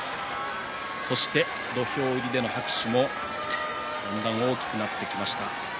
土俵入りの拍手もだんだん大きくなってきました。